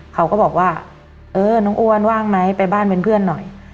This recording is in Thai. เขาก็บอกว่าเออน้องอ้วนว่างไหมไปบ้านเป็นเพื่อนหน่อย